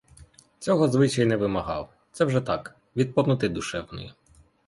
Цього звичай не вимагав, це вже так, від повноти душевної.